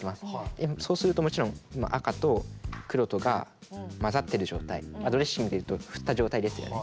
でそうするともちろん今赤と黒とが混ざってる状態ドレッシングで言うと振った状態ですよね。